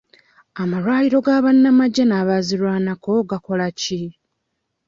Amalwaliro ga bannamagye n'abaazirwanako gakola ki?